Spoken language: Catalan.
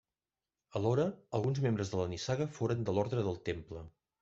Alhora, alguns membres de la nissaga foren de l'orde del Temple.